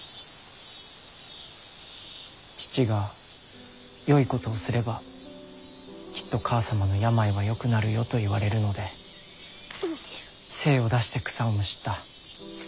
父が「よいことをすればきっと母さまの病はよくなるよ」と言われるので精を出して草をむしった。